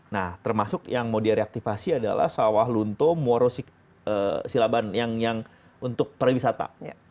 nah termasuk yang mau direaktivasi adalah sawalunto muarosik silaban yang untuk para wisata